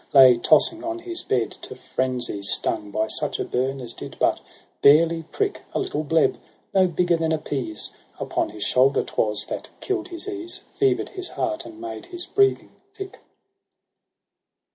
Lay tossing on his bed, to frenzy stung By such a burn as did but barely prick : A little bleb, no bigger than a pease. Upon his shoulder 'twas, that kill'd his ease, Fever'd his heart, and made his breathing thick.